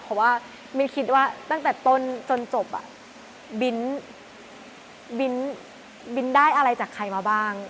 เพราะว่ามิ้นคิดว่าตั้งแต่ต้นจนจบบินได้อะไรจากใครมาบ้าง